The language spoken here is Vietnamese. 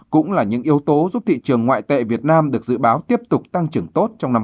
cũng là những yếu tố giúp thị trường ngoại tệ việt nam được dự báo tiếp tục tăng trưởng tốt trong năm hai nghìn hai mươi